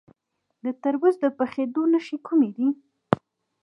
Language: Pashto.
د تربوز د پخیدو نښې کومې دي؟